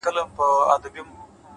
سکون د متوازن ژوند نښه ده،